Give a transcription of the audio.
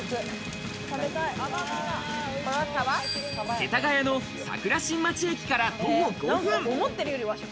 世田谷の桜新町駅から徒歩５分。